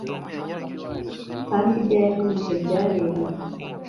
kandibyo yagamije byareraga